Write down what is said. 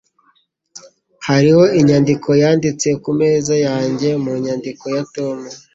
Hariho inyandiko yanditse ku meza yanjye mu nyandiko ya Tom.